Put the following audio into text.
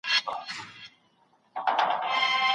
ذهن د نوې زده کړې تږي دی.